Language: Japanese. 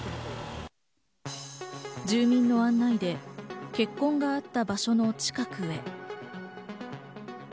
住民の案内で、血痕があった場所の近くへ。